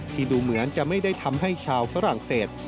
ดูเหมือนจะไม่ได้ทำให้ชาวฝรั่งเศส